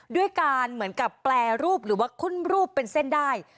ด้วยการเหมือนกับแปรรูปหรือว่าขึ้นรูปเป็นเส้นได้